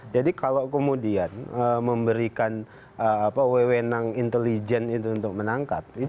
jadi kalau kemudian memberikan wewenang intelijen itu untuk menangkap